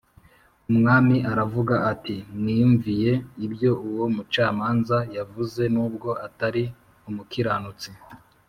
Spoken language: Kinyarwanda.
Umwami aravuga ati mwiyumviye ibyo uwo mucamanza yavuze nubwo atari umukiranutsi